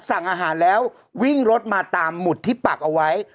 สั่งอาหารแล้ววิ่งรถมาตามหมุดที่ปักเอาไว้